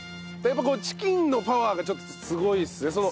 やっぱチキンのパワーがちょっとすごいですね。